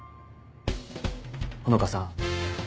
穂香さん